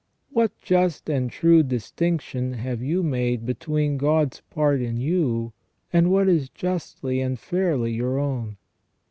What just and true distinction have you made between God's part in you, and what is justly and fairly your own